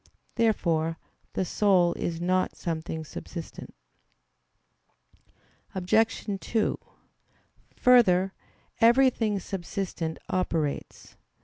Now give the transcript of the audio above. Therefore the soul is not something subsistent. Obj. 2: Further, everything subsistent operates.